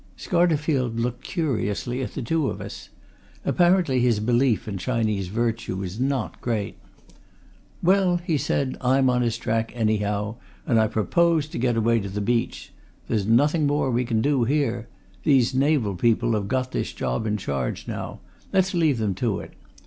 Scarterfield looked curiously at the two of us. Apparently, his belief in Chinese virtue was not great. "Well," he said. "I'm on his track, anyhow, and I propose to get away to the beach. There's nothing more we can do here. These naval people have got this job in charge, now. Let's leave them to it.